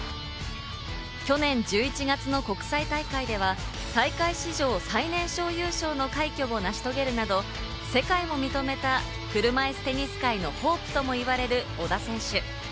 去年１１月の国際大会では、大会史上最年少優勝の快挙を成し遂げるなど、世界も認めた車いすテニス界のホープともいわれる小田選手。